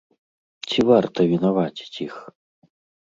Ці варта вінаваціць іх?